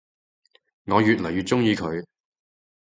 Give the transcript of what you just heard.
我愈來愈鍾意佢